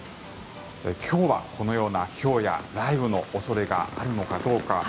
今日はこのようなひょうや雷雨の恐れがあるのかどうか。